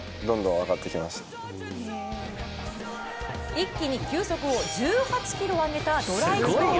一気に球速を１８キロ上げたドラ１候補。